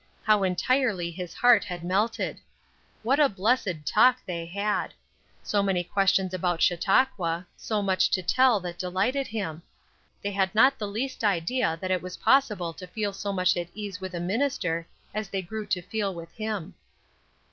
How entirely his heart had melted! What a blessed talk they had! So many questions about Chautauqua, so much to tell that delighted him. They had not the least idea that it was possible to feel so much at ease with a minister as they grew to feel with him.